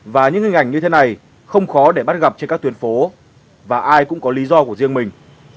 và những hình ảnh như thế này không khó để bắt gặp trên các tuyến phố và ai cũng có lý do của riêng mình